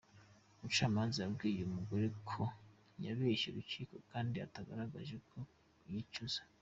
Umucamanza, yabwiye uwo mugore ko yabeshye urukiko kandi atagaragaje ko yicuza.